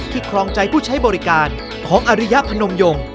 ครองใจผู้ใช้บริการของอริยพนมยง